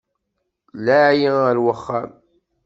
Laɛi ar wexxam!